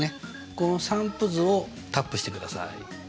この散布図をタップしてください。